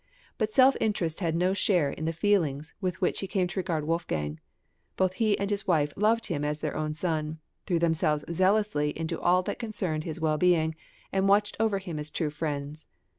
But self interest had no share in the feelings with which he came to regard Wolfgang; both he and his wife loved him as their own son, threw themselves zealously into all that concerned his wellbeing, and watched over him as true friends.